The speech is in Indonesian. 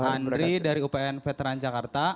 nama saya andri dari upn veteran jakarta